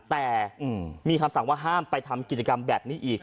แต่มีคำสั่งว่าห้ามไปทำกิจกรรมแบบนี้อีก